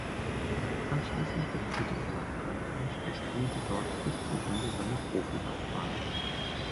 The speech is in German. Anschließend wechselte er nach Frankreich und spielte dort bis zum Ende seiner Profilaufbahn.